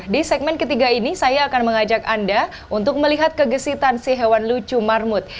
di segmen ketiga ini saya akan mengajak anda untuk melihat kegesitan si hewan lucu marmut